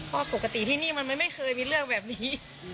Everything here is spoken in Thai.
เพราะปกติที่นี่มันไม่เคยมีเรื่องแบบนี้